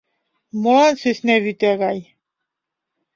— Молан сӧсна вӱта гай?